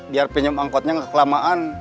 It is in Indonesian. biar pinjam angkotnya nggak kelamaan